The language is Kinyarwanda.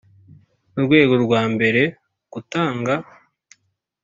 Mu rwego rwa mbere gutanga